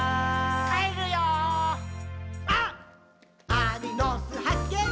アリの巣はっけん